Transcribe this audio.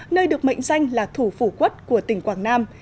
nơi được mệnh danh là thủ phủ quất của tỉnh quảng nam